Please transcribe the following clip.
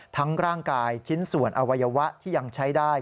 ร่างกายชิ้นส่วนอวัยวะที่ยังใช้ได้